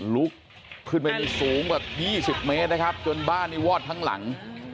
ลุกขึ้นไปนี่สูงแบบ๒๐เมตรนะครับจนบ้านนี้วอดทั้งหลัง